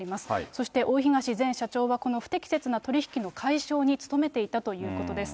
そして大東前社長はこの不適切な取り引きの解消に努めていたということです。